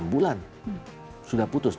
enam bulan sudah putus